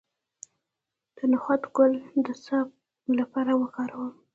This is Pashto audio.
د نخود ګل د څه لپاره وکاروم؟